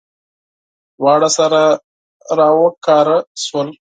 دواړه سره راوکاره شول.